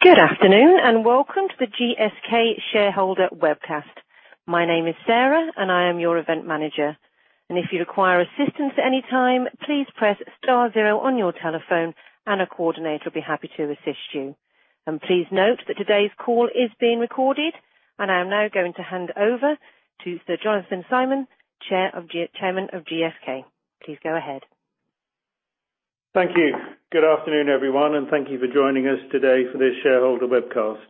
Good afternoon, and welcome to the GSK Shareholder Webcast. My name is Sarah, and I am your event manager. If you require assistance at any time, please press star zero on your telephone and a coordinator will be happy to assist you. Please note that today's call is being recorded, and I am now going to hand over to Sir Jonathan Symonds, Chairman of GSK. Please go ahead. Thank you. Good afternoon, everyone, and thank you for joining us today for this shareholder webcast.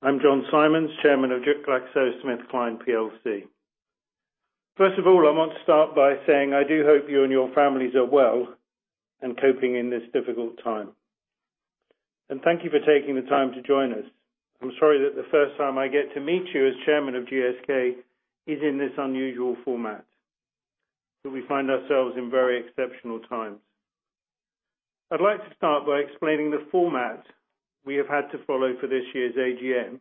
I'm Jonathan Symonds, Chairman of GlaxoSmithKline plc. First of all, I want to start by saying I do hope you and your families are well and coping in this difficult time. Thank you for taking the time to join us. I'm sorry that the first time I get to meet you as Chairman of GSK is in this unusual format, but we find ourselves in very exceptional times. I'd like to start by explaining the format we have had to follow for this year's AGM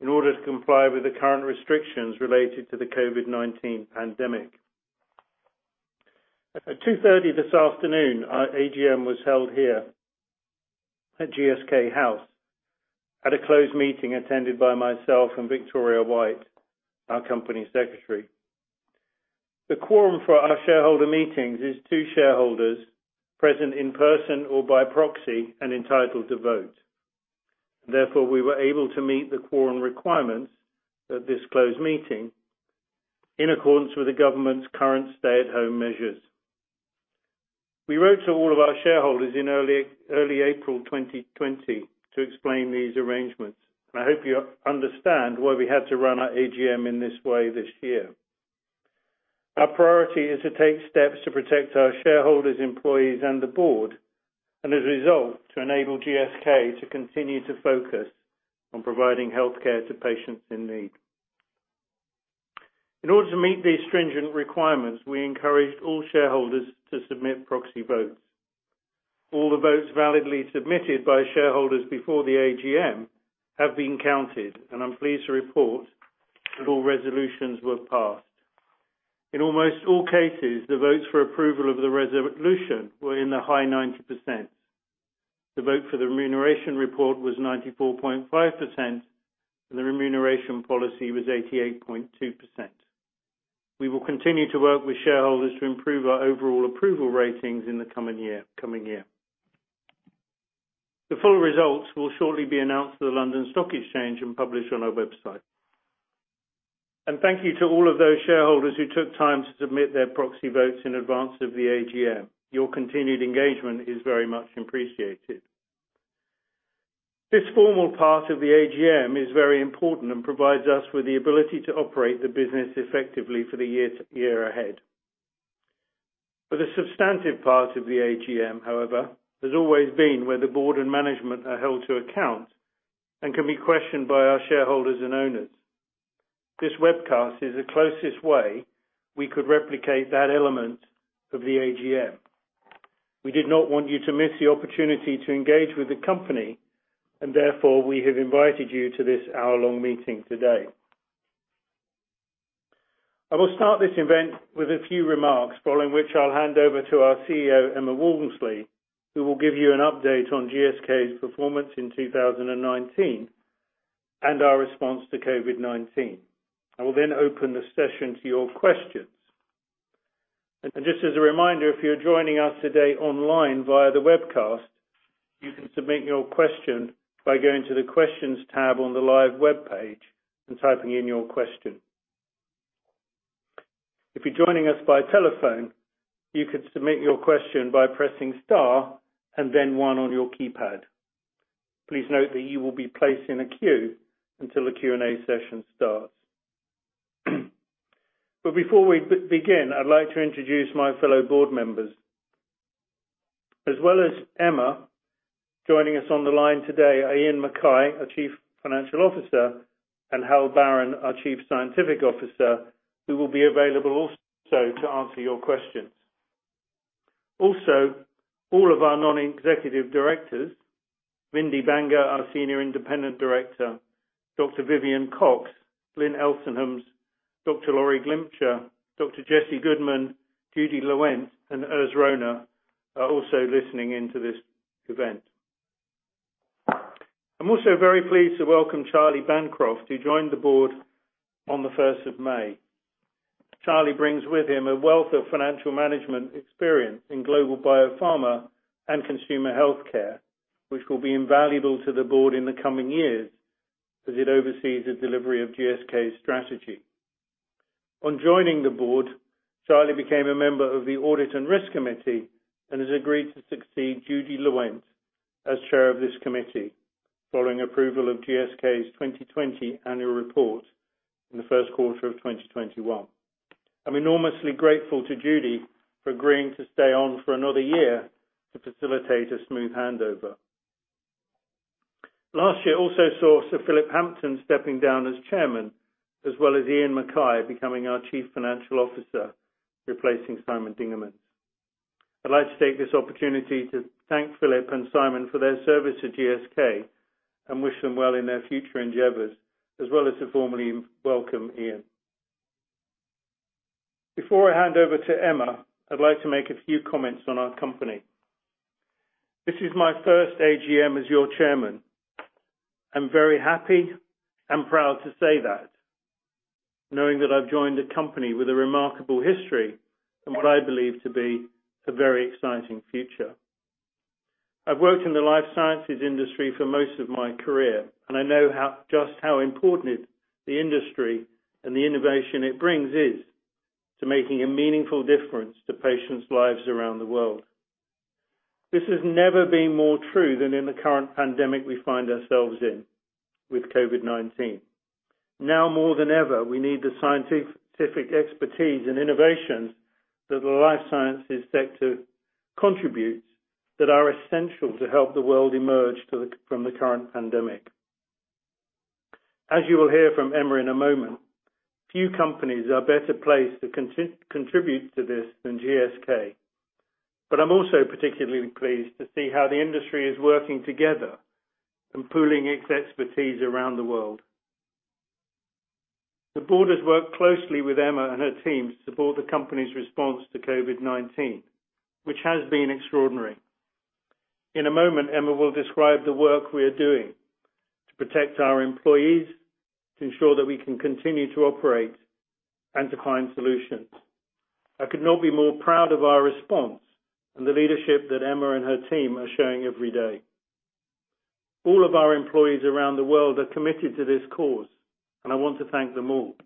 in order to comply with the current restrictions related to the COVID-19 pandemic. At 2:30 P.M. this afternoon, our AGM was held here at GSK House at a closed meeting attended by myself and Victoria Whyte, our Company Secretary. The quorum for our shareholder meetings is two shareholders present in person or by proxy and entitled to vote. Therefore, we were able to meet the quorum requirements at this closed meeting in accordance with the government's current stay-at-home measures. We wrote to all of our shareholders in early April 2020 to explain these arrangements, and I hope you understand why we had to run our AGM in this way this year. Our priority is to take steps to protect our shareholders, employees, and the board, and as a result, to enable GSK to continue to focus on providing healthcare to patients in need. In order to meet these stringent requirements, we encouraged all shareholders to submit proxy votes. All the votes validly submitted by shareholders before the AGM have been counted, and I'm pleased to report that all resolutions were passed. In almost all cases, the votes for approval of the resolution were in the high 90%. The vote for the remuneration report was 94.5%, and the remuneration policy was 88.2%. We will continue to work with shareholders to improve our overall approval ratings in the coming year. The full results will shortly be announced to the London Stock Exchange and published on our website. Thank you to all of those shareholders who took time to submit their proxy votes in advance of the AGM. Your continued engagement is very much appreciated. This formal part of the AGM is very important and provides us with the ability to operate the business effectively for the year ahead. The substantive part of the AGM, however, has always been where the board and management are held to account and can be questioned by our shareholders and owners. This webcast is the closest way we could replicate that element of the AGM. We did not want you to miss the opportunity to engage with the company, and therefore, we have invited you to this hour-long meeting today. I will start this event with a few remarks, following which I'll hand over to our CEO, Emma Walmsley, who will give you an update on GSK's performance in 2019 and our response to COVID-19. I will open the session to your questions. Just as a reminder, if you're joining us today online via the webcast, you can submit your question by going to the questions tab on the live webpage and typing in your question. If you're joining us by telephone, you can submit your question by pressing star and then one on your keypad. Please note that you will be placed in a queue until the Q&A session starts. Before we begin, I'd like to introduce my fellow board members. As well as Emma, joining us on the line today are Iain Mackay, our Chief Financial Officer, and Hal Barron, our Chief Scientific Officer, who will be available also to answer your questions. All of our Non-Executive Directors, Vindi Banga, our Senior Independent Director, Dr Vivienne Cox, Lynn Elsenhans, Dr Laurie Glimcher, Dr Jesse Goodman, Judy Lewent, and Urs Rohner, are also listening in to this event. I'm also very pleased to welcome Charlie Bancroft, who joined the board on the 1st of May. Charlie brings with him a wealth of financial management experience in global biopharma and consumer healthcare, which will be invaluable to the board in the coming years as it oversees the delivery of GSK's strategy. On joining the board, Charlie became a member of the audit and risk committee and has agreed to succeed Judy Lewent as chair of this committee following approval of GSK's 2020 annual report in the first quarter of 2021. I'm enormously grateful to Judy for agreeing to stay on for another year to facilitate a smooth handover. Last year also saw Sir Philip Hampton stepping down as Chairman, as well as Iain Mackay becoming our Chief Financial Officer, replacing Simon Dingemans. I'd like to take this opportunity to thank Philip and Simon for their service to GSK and wish them well in their future endeavors, as well as to formally welcome Iain. Before I hand over to Emma, I'd like to make a few comments on our company. This is my first AGM as your Chairman. I'm very happy and proud to say that, knowing that I've joined a company with a remarkable history and what I believe to be a very exciting future. I've worked in the life sciences industry for most of my career, and I know just how important the industry and the innovation it brings is to making a meaningful difference to patients' lives around the world. This has never been more true than in the current pandemic we find ourselves in with COVID-19. Now more than ever, we need the scientific expertise and innovations that the life sciences sector contributes that are essential to help the world emerge from the current pandemic. As you will hear from Emma in a moment, few companies are better placed to contribute to this than GSK. I'm also particularly pleased to see how the industry is working together and pooling its expertise around the world. The board has worked closely with Emma and her team to support the company's response to COVID-19, which has been extraordinary. In a moment, Emma will describe the work we are doing to protect our employees, to ensure that we can continue to operate, and to find solutions. I could not be more proud of our response and the leadership that Emma and her team are showing every day. All of our employees around the world are committed to this cause, and I want to thank them all,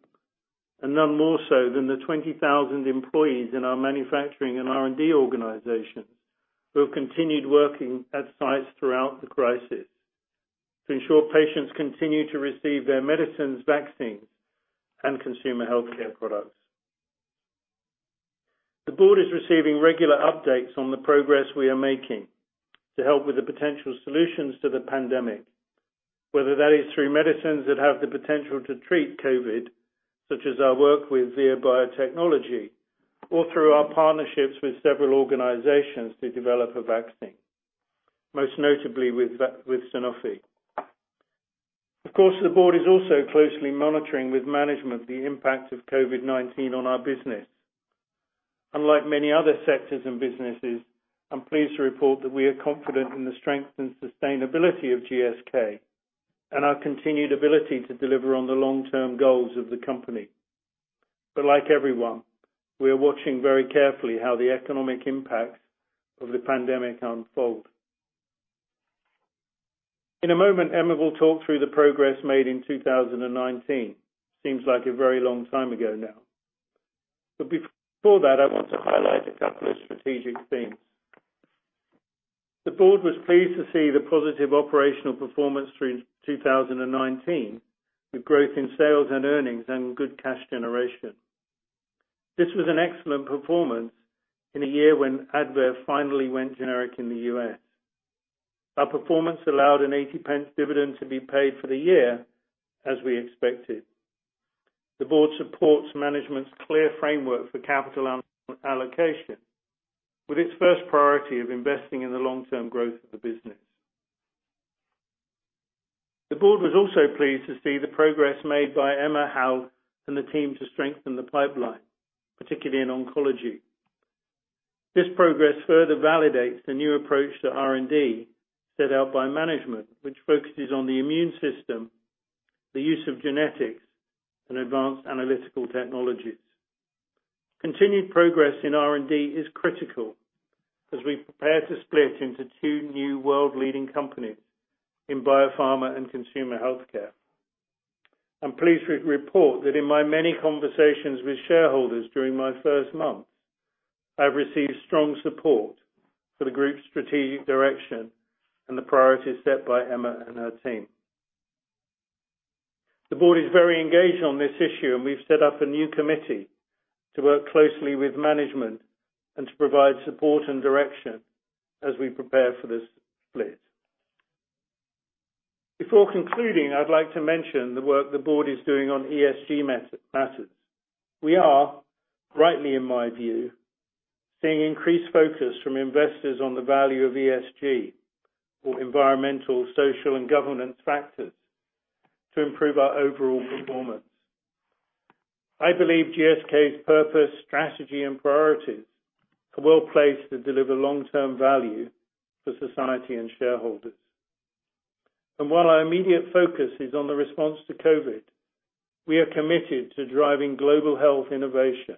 and none more so than the 20,000 employees in our manufacturing and R&D organizations who have continued working at sites throughout the crisis to ensure patients continue to receive their medicines, vaccines, and consumer healthcare products. The board is receiving regular updates on the progress we are making to help with the potential solutions to the pandemic, whether that is through medicines that have the potential to treat COVID-19, such as our work with Vir Biotechnology, or through our partnerships with several organizations to develop a vaccine, most notably with Sanofi. The board is also closely monitoring with management the impact of COVID-19 on our business. Unlike many other sectors and businesses, I'm pleased to report that we are confident in the strength and sustainability of GSK and our continued ability to deliver on the long-term goals of the company. Like everyone, we are watching very carefully how the economic impacts of the pandemic unfold. In a moment, Emma will talk through the progress made in 2019. Seems like a very long time ago now. Before that, I want to highlight a couple of strategic themes. The board was pleased to see the positive operational performance through 2019, with growth in sales and earnings and good cash generation. This was an excellent performance in a year when ADVAIR finally went generic in the U.S. Our performance allowed a 0.80 dividend to be paid for the year as we expected. The board supports management's clear framework for capital allocation, with its first priority of investing in the long-term growth of the business. The board was also pleased to see the progress made by Emma, Hal, and the team to strengthen the pipeline, particularly in oncology. This progress further validates the new approach to R&D set out by management, which focuses on the immune system, the use of genetics, and advanced analytical technologies. Continued progress in R&D is critical as we prepare to split into two new world-leading companies in biopharma and consumer healthcare. I'm pleased to report that in my many conversations with shareholders during my first month, I have received strong support for the group's strategic direction and the priorities set by Emma and her team. The board is very engaged on this issue, and we've set up a new committee to work closely with management and to provide support and direction as we prepare for this split. Before concluding, I'd like to mention the work the board is doing on ESG matters. We are, rightly in my view, seeing increased focus from investors on the value of ESG or environmental, social, and governance factors to improve our overall performance. I believe GSK's purpose, strategy, and priorities are well-placed to deliver long-term value for society and shareholders. While our immediate focus is on the response to COVID, we are committed to driving global health innovation,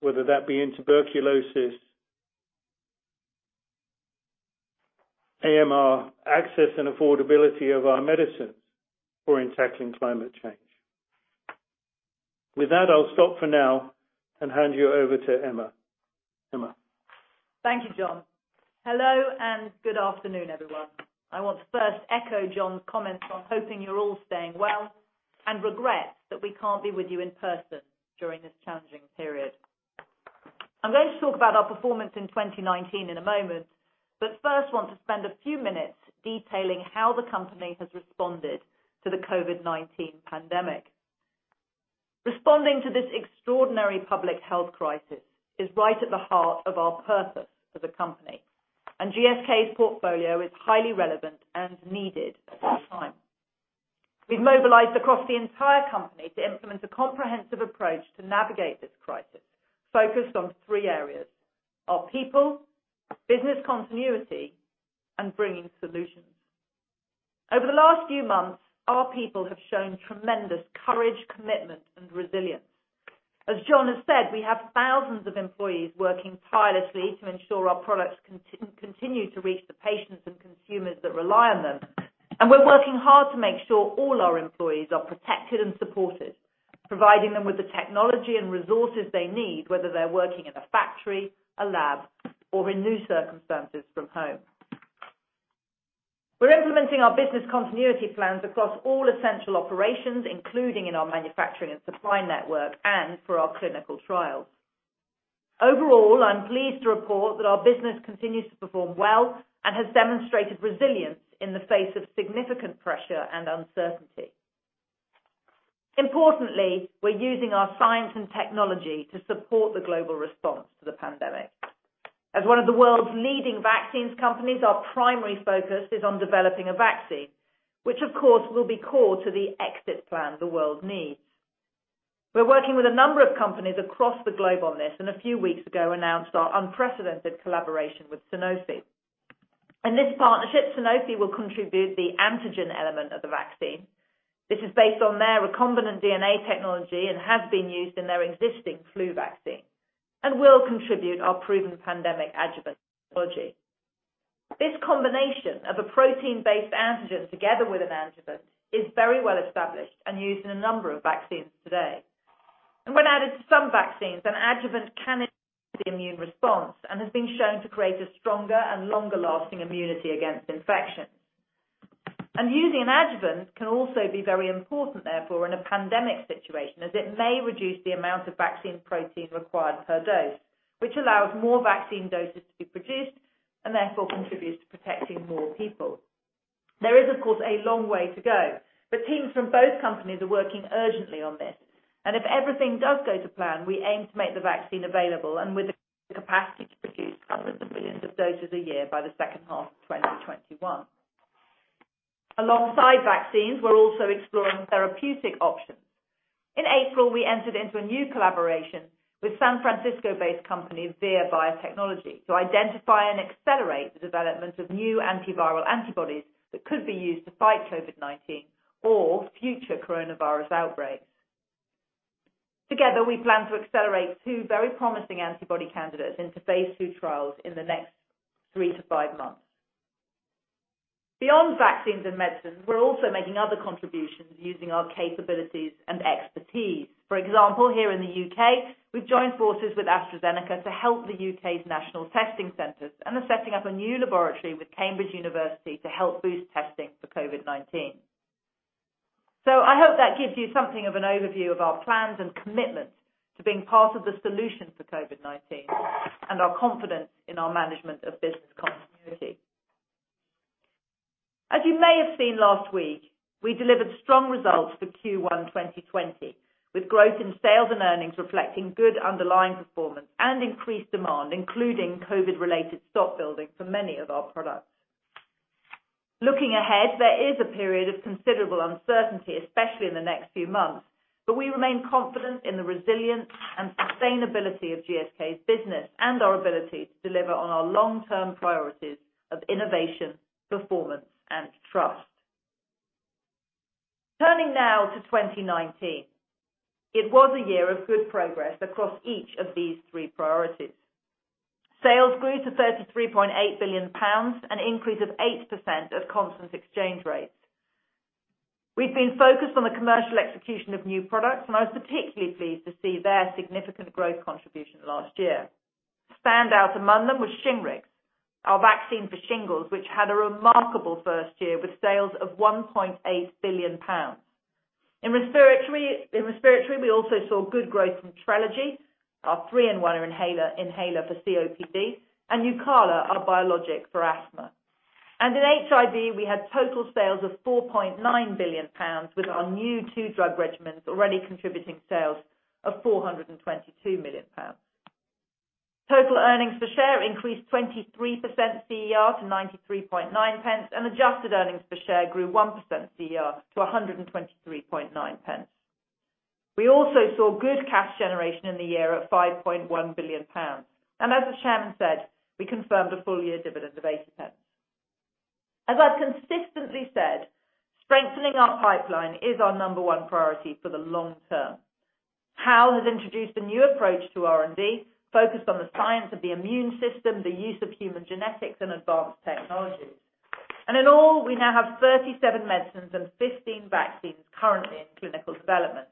whether that be in tuberculosis, AMR, access and affordability of our medicines, or in tackling climate change. With that, I'll stop for now and hand you over to Emma. Emma? Thank you, John. Hello, and good afternoon, everyone. I want to first echo John's comments on hoping you're all staying well and regret that we can't be with you in person during this challenging period. I'm going to talk about our performance in 2019 in a moment, but first want to spend a few minutes detailing how the company has responded to the COVID-19 pandemic. Responding to this extraordinary public health crisis is right at the heart of our purpose as a company, and GSK's portfolio is highly relevant and needed at this time. We've mobilized across the entire company to implement a comprehensive approach to navigate this crisis, focused on three areas: our people, business continuity, and bringing solutions. Over the last few months, our people have shown tremendous courage, commitment, and resilience. As John has said, we have thousands of employees working tirelessly to ensure our products continue to reach the patients and consumers that rely on them. We're working hard to make sure all our employees are protected and supported, providing them with the technology and resources they need, whether they're working in a factory, a lab, or in new circumstances from home. We're implementing our business continuity plans across all essential operations, including in our manufacturing and supply network, and for our clinical trials. Overall, I'm pleased to report that our business continues to perform well and has demonstrated resilience in the face of significant pressure and uncertainty. Importantly, we're using our science and technology to support the global response to the pandemic. As one of the world's leading vaccines companies, our primary focus is on developing a vaccine, which of course will be core to the exit plan the world needs. We're working with a number of companies across the globe on this, and a few weeks ago, announced our unprecedented collaboration with Sanofi. In this partnership, Sanofi will contribute the antigen element of the vaccine. This is based on their recombinant DNA technology and has been used in their existing flu vaccine, and we'll contribute our proven pandemic adjuvant technology. This combination of a protein-based antigen together with an adjuvant is very well established and used in a number of vaccines today. When added to some vaccines, an adjuvant can enhance the immune response and has been shown to create a stronger and longer-lasting immunity against infections. Using an adjuvant can also be very important, therefore, in a pandemic situation, as it may reduce the amount of vaccine protein required per dose, which allows more vaccine doses to be produced and therefore contributes to protecting more people. There is, of course, a long way to go, but teams from both companies are working urgently on this, and if everything does go to plan, we aim to make the vaccine available, and with the capacity to produce hundreds of millions of doses a year by the second half of 2021. Alongside vaccines, we are also exploring therapeutic options. In April, we entered into a new collaboration with San Francisco-based company, Vir Biotechnology, to identify and accelerate the development of new antiviral antibodies that could be used to fight COVID-19 or future coronavirus outbreaks. Together, we plan to accelerate two very promising antibody candidates into phase II trials in the next three to five months. Beyond vaccines and medicines, we're also making other contributions using our capabilities and expertise. For example, here in the U.K., we've joined forces with AstraZeneca to help the U.K.'s national testing centers and are setting up a new laboratory with Cambridge University to help boost testing for COVID-19. I hope that gives you something of an overview of our plans and commitments to being part of the solution for COVID-19 and our confidence in our management of business continuity. As you may have seen last week, we delivered strong results for Q1 2020, with growth in sales and earnings reflecting good underlying performance and increased demand, including COVID-related stock building for many of our products. Looking ahead, there is a period of considerable uncertainty, especially in the next few months, but we remain confident in the resilience and sustainability of GSK's business and our ability to deliver on our long-term priorities of innovation, performance, and trust. Turning now to 2019. It was a year of good progress across each of these three priorities. Sales grew to GBP 33.8 billion, an increase of 8% at constant exchange rates. We've been focused on the commercial execution of new products, and I was particularly pleased to see their significant growth contribution last year. Standout among them was SHINGRIX, our vaccine for shingles, which had a remarkable first year with sales of 1.8 billion pounds. In respiratory, we also saw good growth from TRELEGY, our three-in-one inhaler for COPD, and NUCALA, our biologic for asthma. In HIV, we had total sales of 4.9 billion pounds with our new two-drug regimens already contributing sales of 422 million pounds. Total earnings per share increased 23% CER to 0.939, and adjusted earnings per share grew 1% CER to 1.239. We also saw good cash generation in the year of 5.1 billion pounds. As the Chairman said, we confirmed a full-year dividend of 0.80. As I've consistently said, strengthening our pipeline is our number one priority for the long term. Hal has introduced a new approach to R&D, focused on the science of the immune system, the use of human genetics, and advanced technologies. In all, we now have 37 medicines and 15 vaccines currently in clinical development.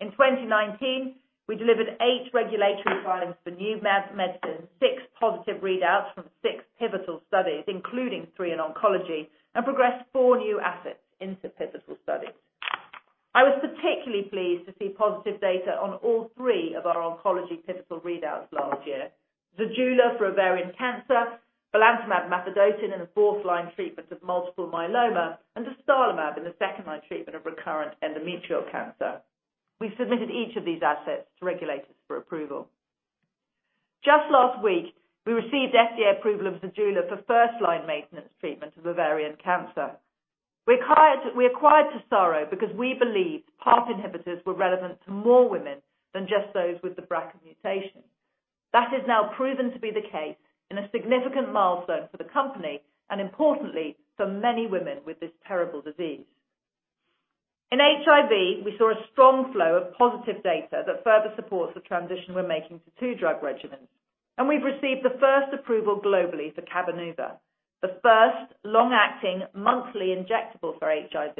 In 2019, we delivered eight regulatory filings for new medicines, six positive readouts from six pivotal studies, including three in oncology, and progressed four new assets into pivotal studies. I was particularly pleased to see positive data on all three of our oncology pivotal readouts last year. Zejula for ovarian cancer, belantamab mafodotin in the fourth line treatment of multiple myeloma, and dostarlimab in the second-line treatment of recurrent endometrial cancer. We submitted each of these assets to regulators for approval. Just last week, we received FDA approval of Zejula for first-line maintenance treatment of ovarian cancer. We acquired TESARO because we believed PARP inhibitors were relevant to more women than just those with the BRCA mutation. That has now proven to be the case in a significant milestone for the company, and importantly, for many women with this terrible disease. In HIV, we saw a strong flow of positive data that further supports the transition we're making to two drug regimens. We've received the first approval globally for CABENUVA, the first long-acting monthly injectable for HIV,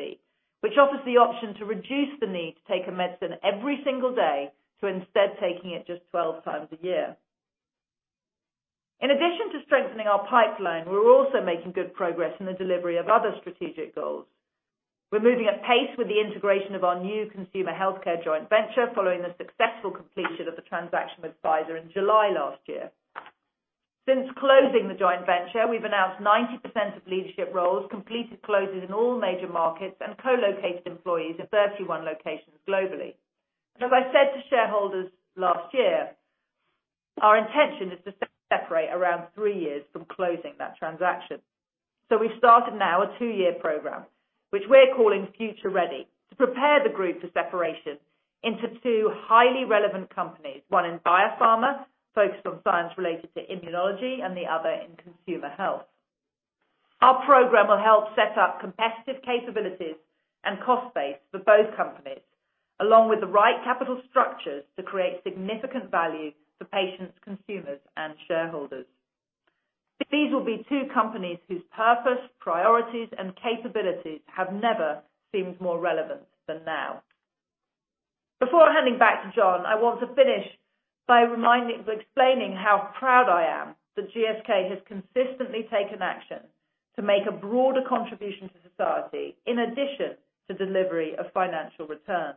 which offers the option to reduce the need to take a medicine every single day to instead taking it just 12x a year. In addition to strengthening our pipeline, we're also making good progress in the delivery of other strategic goals. We're moving at pace with the integration of our new consumer healthcare joint venture following the successful completion of the transaction with Pfizer in July last year. Since closing the joint venture, we've announced 90% of leadership roles, completed closures in all major markets. Co-located employees at 31 locations globally. As I said to shareholders last year, our intention is to separate around three years from closing that transaction. We've started now a two-year program, which we're calling Future Ready, to prepare the group for separation into two highly relevant companies, one in biopharma, focused on science related to immunology, and the other in consumer health. Our program will help set up competitive capabilities and cost base for both companies, along with the right capital structures to create significant value for patients, consumers, and shareholders. These will be two companies whose purpose, priorities, and capabilities have never seemed more relevant than now. Before handing back to John, I want to finish by explaining how proud I am that GSK has consistently taken action to make a broader contribution to society, in addition to delivery of financial returns.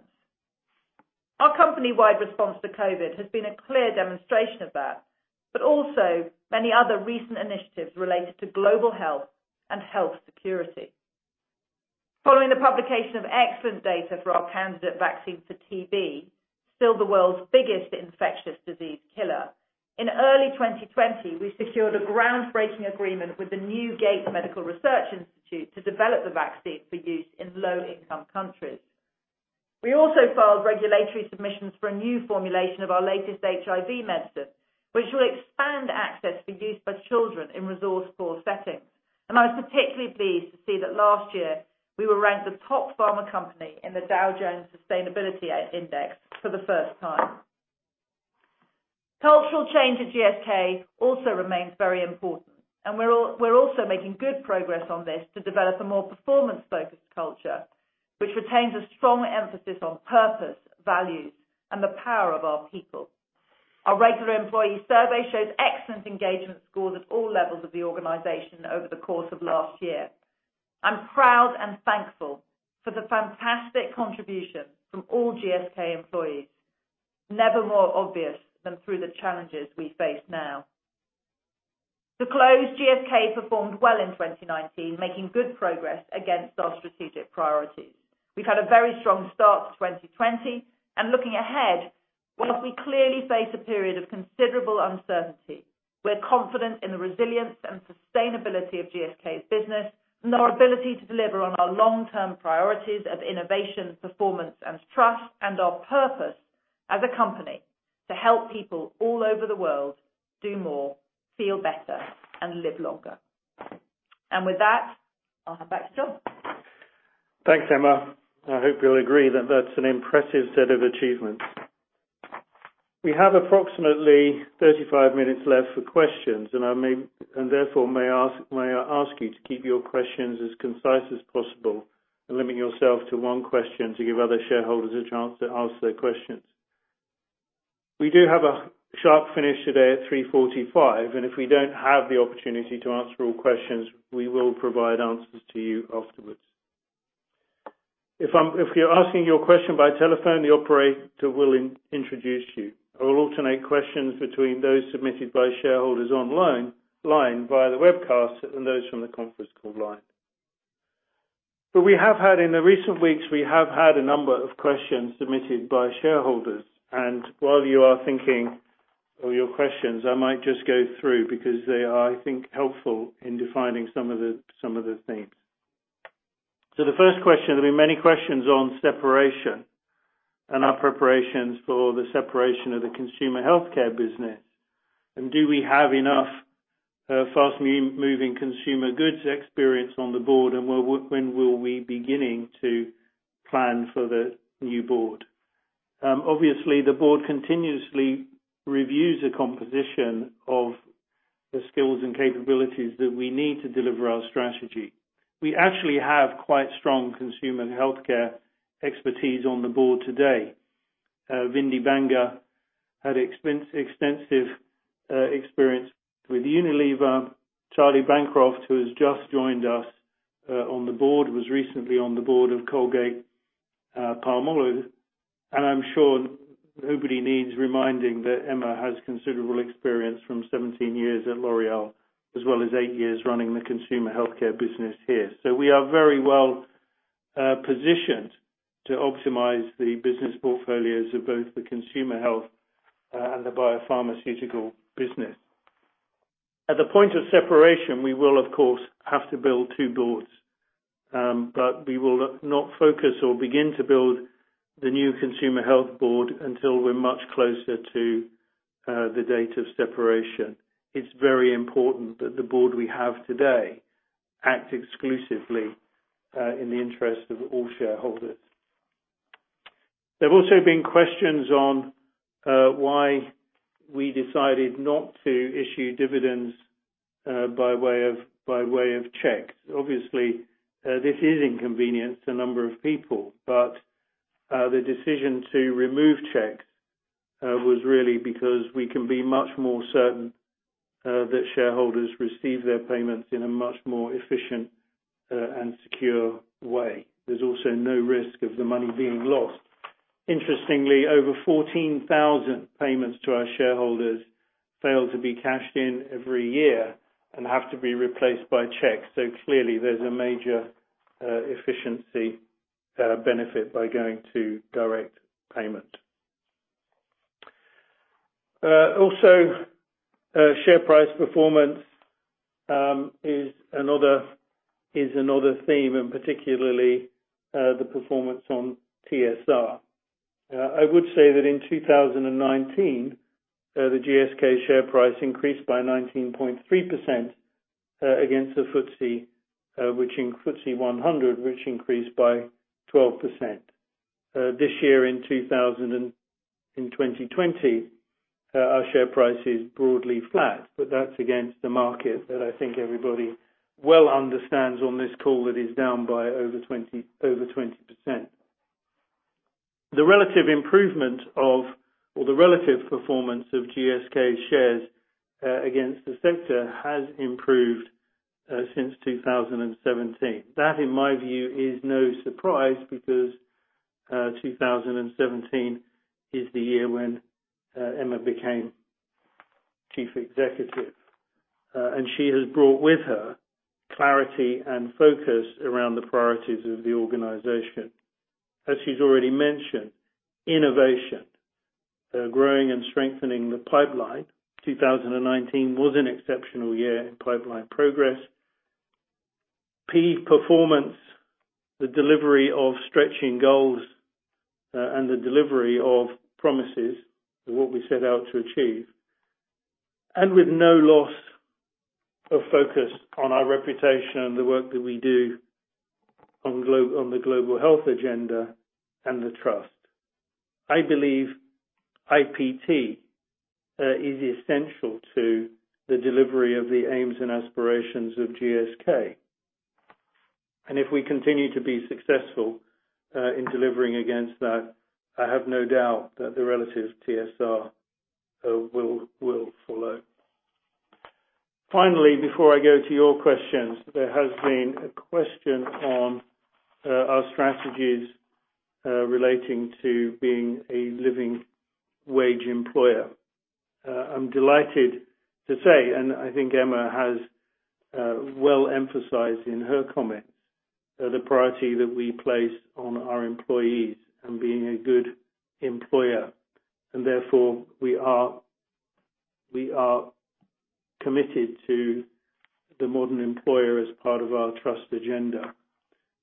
Our company-wide response to COVID-19 has been a clear demonstration of that, also many other recent initiatives related to global health and health security. Following the publication of excellent data for our candidate vaccine for TB, still the world's biggest infectious disease killer, in early 2020, we secured a groundbreaking agreement with the new Gates Medical Research Institute to develop the vaccine for use in low-income countries. We also filed regulatory submissions for a new formulation of our latest HIV medicine, which will expand access for use by children in resource-poor settings. I was particularly pleased to see that last year we were ranked the top pharma company in the Dow Jones Sustainability Index for the first time. Cultural change at GSK also remains very important, and we're also making good progress on this to develop a more performance-focused culture, which retains a strong emphasis on purpose, values, and the power of our people. Our regular employee survey shows excellent engagement scores at all levels of the organization over the course of last year. I'm proud and thankful for the fantastic contribution from all GSK employees, never more obvious than through the challenges we face now. To close, GSK performed well in 2019, making good progress against our strategic priorities. Looking ahead, whilst we clearly face a period of considerable uncertainty, we're confident in the resilience and sustainability of GSK's business and our ability to deliver on our long-term priorities of innovation, performance, and trust, and our purpose as a company to help people all over the world do more, feel better, and live longer. With that, I'll hand back to John. Thanks, Emma. I hope you'll agree that that's an impressive set of achievements. We have approximately 35 minutes left for questions, and therefore may I ask you to keep your questions as concise as possible and limit yourself to one question to give other shareholders a chance to ask their questions. We do have a sharp finish today at 3:45 P.M., and if we don't have the opportunity to answer all questions, we will provide answers to you afterwards. If you're asking your question by telephone, the operator will introduce you. I will alternate questions between those submitted by shareholders online via the webcast and those from the conference call line. In the recent weeks, we have had a number of questions submitted by shareholders, and while you are thinking of your questions, I might just go through because they are, I think, helpful in defining some of the themes. The first question, there'll be many questions on separation and our preparations for the separation of the consumer healthcare business. Do we have enough fast-moving consumer goods experience on the board, and when will we beginning to plan for the new board? Obviously, the board continuously reviews the composition of the skills and capabilities that we need to deliver our strategy. We actually have quite strong consumer healthcare expertise on the board today. Vindi Banga had extensive experience with Unilever. Charlie Bancroft, who has just joined us on the board, was recently on the board of Colgate-Palmolive, and I'm sure nobody needs reminding that Emma has considerable experience from 17 years at L'Oréal, as well as eight years running the consumer healthcare business here. We are very well positioned to optimize the business portfolios of both the consumer health and the biopharmaceutical business. At the point of separation, we will, of course, have to build two boards. We will not focus or begin to build the new consumer health board until we're much closer to the date of separation. It's very important that the board we have today act exclusively in the interest of all shareholders. There've also been questions on why we decided not to issue dividends by way of checks. Obviously, this is inconvenienced a number of people. The decision to remove checks was really because we can be much more certain that shareholders receive their payments in a much more efficient and secure way. There's also no risk of the money being lost. Interestingly, over 14,000 payments to our shareholders fail to be cashed in every year and have to be replaced by checks. Clearly, there's a major efficiency benefit by going to direct payment. Share price performance is another theme, and particularly the performance on TSR. I would say that in 2019, the GSK share price increased by 19.3% against the FTSE 100, which increased by 12%. This year in 2020, our share price is broadly flat, but that's against the market that I think everybody well understands on this call that is down by over 20%. The relative performance of GSK shares against the sector has improved since 2017. That, in my view, is no surprise because 2017 is the year when Emma became chief executive. She has brought with her clarity and focus around the priorities of the organization. As she's already mentioned, innovation, growing and strengthening the pipeline, 2019 was an exceptional year in pipeline progress. P performance, the delivery of stretching goals, and the delivery of promises of what we set out to achieve. With no loss of focus on our reputation and the work that we do on the global health agenda and the trust. I believe IPT is essential to the delivery of the aims and aspirations of GSK. If we continue to be successful in delivering against that, I have no doubt that the relative TSR will follow. Finally, before I go to your questions, there has been a question on our strategies relating to being a living wage employer. I'm delighted to say, and I think Emma has well emphasized in her comments, the priority that we place on our employees and being a good employer. Therefore, we are committed to the modern employer as part of our trust agenda.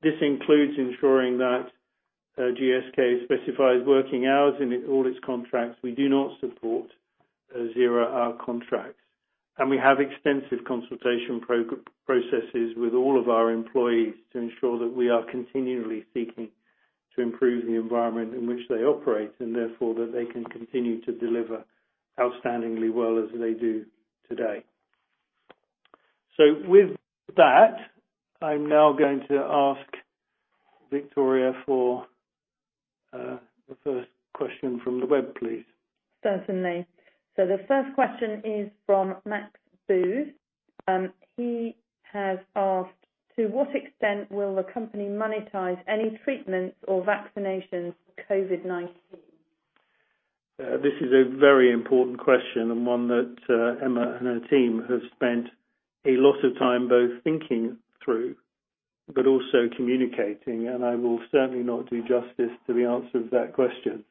This includes ensuring that GSK specifies working hours in all its contracts. We do not support zero-hour contracts. We have extensive consultation processes with all of our employees to ensure that we are continually seeking to improve the environment in which they operate, and therefore, that they can continue to deliver outstandingly well as they do today. With that, I'm now going to ask Victoria for the first question from the web, please. Certainly. The first question is from Max Booth. He has asked, To what extent will the company monetize any treatments or vaccinations for COVID-19? This is a very important question, and one that Emma and her team have spent a lot of time both thinking through but also communicating, and I will certainly not do justice to the answer of that question.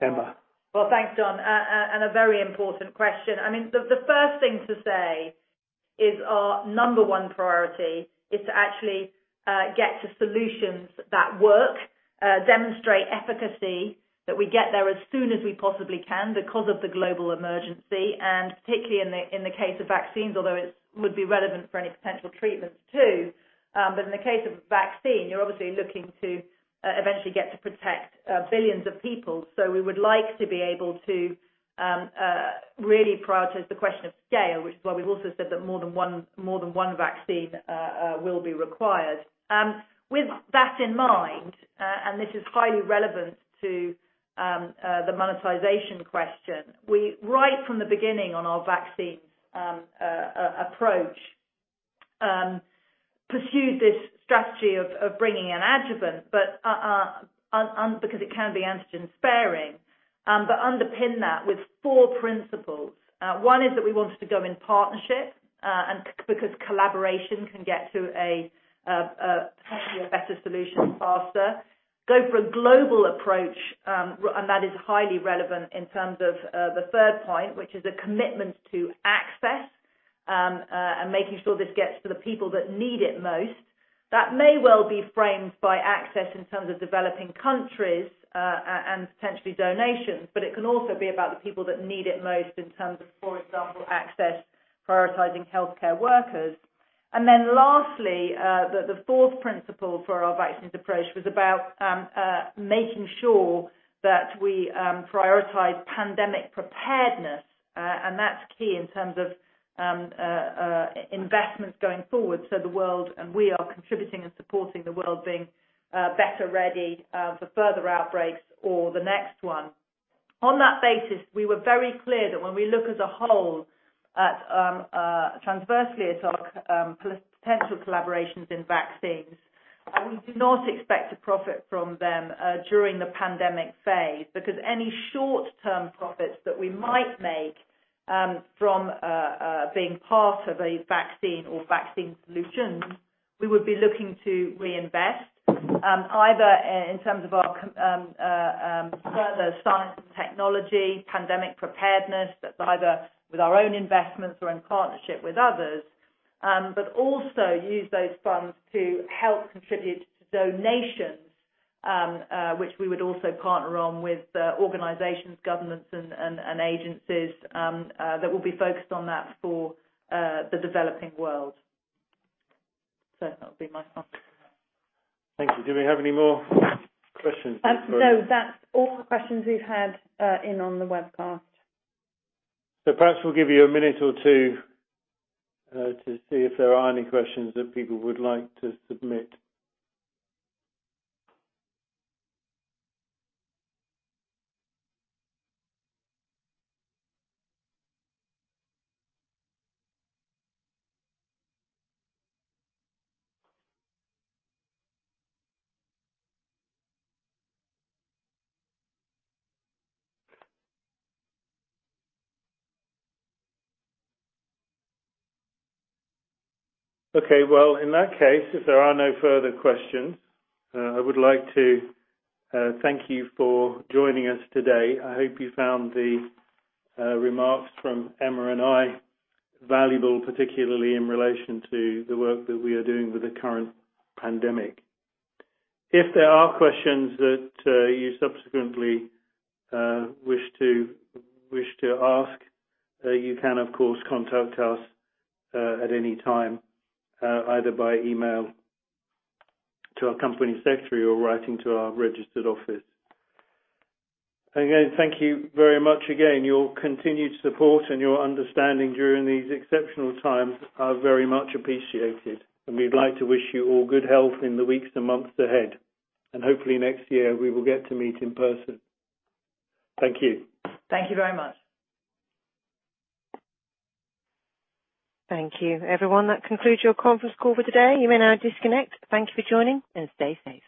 Emma. Well, thanks, John, a very important question. The first thing to say is our number one priority is to actually get to solutions that work, demonstrate efficacy, that we get there as soon as we possibly can because of the global emergency, and particularly in the case of vaccines, although it would be relevant for any potential treatments, too. In the case of a vaccine, you're obviously looking to eventually get to protect billions of people. We would like to be able to really prioritize the question of scale, which is why we've also said that more than one vaccine will be required. With that in mind, and this is highly relevant to the monetization question, we, right from the beginning on our vaccine approach, pursued this strategy of bringing an adjuvant, because it can be antigen-sparing. Underpin that with four principles. One is that we wanted to go in partnership, because collaboration can get to a potentially better solution faster. Go for a global approach, and that is highly relevant in terms of the third point, which is a commitment to access, and making sure this gets to the people that need it most. That may well be framed by access in terms of developing countries, and potentially donations, but it can also be about the people that need it most in terms of, for example, access prioritizing healthcare workers. Lastly, the fourth principle for our vaccines approach was about making sure that we prioritize pandemic preparedness, and that's key in terms of investments going forward, so the world and we are contributing and supporting the world being better ready for further outbreaks or the next one. On that basis, we were very clear that when we look as a whole transversely at our potential collaborations in vaccines, we do not expect to profit from them during the pandemic phase, because any short-term profits that we might make from being part of a vaccine or vaccine solutions, we would be looking to reinvest, either in terms of our further science and technology, pandemic preparedness, either with our own investments or in partnership with others. Also use those funds to help contribute to donations, which we would also partner on with organizations, governments, and agencies that will be focused on that for the developing world. That'll be my thoughts. Thank you. Do we have any more questions? No, that's all the questions we've had in on the webcast. Perhaps we'll give you a minute or two to see if there are any questions that people would like to submit. Okay. In that case, if there are no further questions, I would like to thank you for joining us today. I hope you found the remarks from Emma and I valuable, particularly in relation to the work that we are doing with the current pandemic. If there are questions that you subsequently wish to ask, you can, of course, contact us at any time, either by email to our company secretary or writing to our registered office. Again, thank you very much again. Your continued support and your understanding during these exceptional times are very much appreciated, and we'd like to wish you all good health in the weeks and months ahead. Hopefully next year we will get to meet in person. Thank you. Thank you very much. Thank you, everyone. That concludes your conference call for today. You may now disconnect. Thank you for joining, and stay safe.